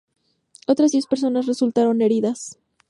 Otras diez personas resultaron heridas.